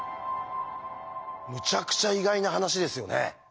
むちゃくちゃ意外な話ですよね。